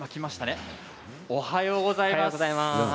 おはようございます。